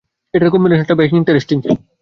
এটার কম্বিনেশনটা বেশ ইন্টারেস্টিং ছিলো।